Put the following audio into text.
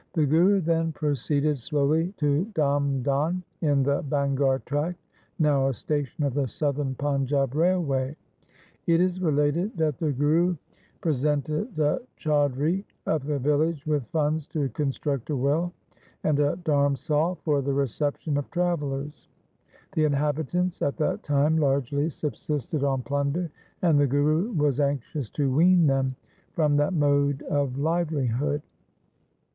The Guru then proceeded slowly to Dhamdhan in the Bangar tract, now a station of the Southern Panjab Railway. It is related that the Guru pre 342 THE SIKH RELIGION sented the Chaudhri of the village with funds to construct a well and a dharmsal for the reception of travellers. The inhabitants at that time largely subsisted on plunder, and the Guru was anxious to wean them from that mode of livelihood.